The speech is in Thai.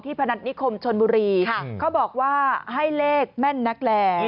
ที่พนักนิคมชนบุรีเค้าบอกว่า